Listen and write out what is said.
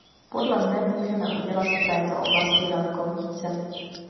Podle mne můžeme udělat v této oblasti daleko více.